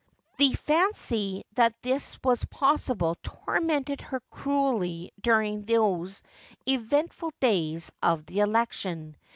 ' The fancy that this was possible tormented her cruelly dur ing those eventful days of the election.